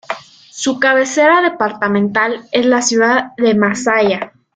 Su cabecera departamental es la ciudad de Masaya.